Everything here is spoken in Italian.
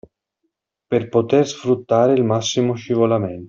Per poter sfruttare il massimo scivolamento